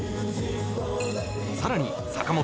さらに坂本